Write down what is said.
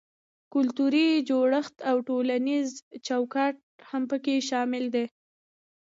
کلتوري جوړښت او ټولنیز چوکاټ هم پکې شامل دي.